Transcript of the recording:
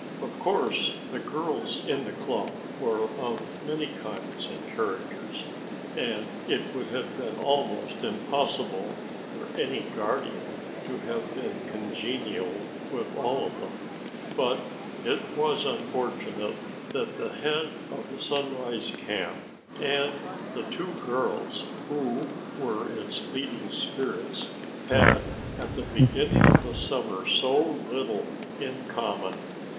Of course the girls in the club were of many kinds and characters and it would have been almost impossible for any guardian to have been congenial with all of them, but it was unfortunate that the head of the Sunrise Camp and the two girls who were its leading spirits had at the beginning of the summer so little in common.